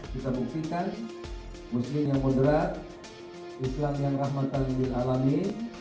kita buktikan muslim yang moderat islam yang rahmatan alami